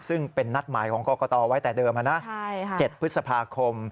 ซึ่งเป็นนัดหมายของกรกตไว้แต่เดิมนะ๗พฤษภาคม